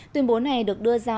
tuyên bố này được đưa ra